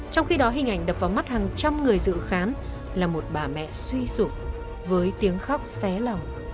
trong khi đó hình ảnh đập vào mắt hàng trăm người dự khám là một bà mẹ suy sụp với tiếng khóc xé lòng